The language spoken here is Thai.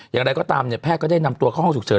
อย่างไรก็ตามเนี่ยแพทย์ก็ได้นำตัวเข้าห้องฉุกเฉิน